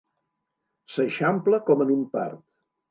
S'eixampla com en un part.